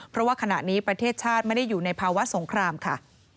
เพราะว่าขณะนี้ประเทศชาติไม่ได้อยู่ในภาวะสงครามค่ะ